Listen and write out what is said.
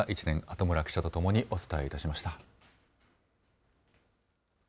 後村記者と共にお伝えいたしました。